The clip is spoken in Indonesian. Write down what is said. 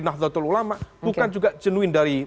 nahdlatul ulama bukan juga genuin dari